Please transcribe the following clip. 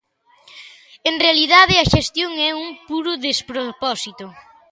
En realidade a xestión é un puro despropósito.